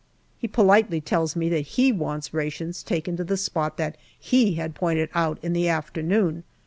He politely tells me that he wants rations taken to the spot that he had pointed out in the afternoon.